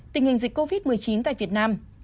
tình hình dịch covid một mươi chín tại việt nam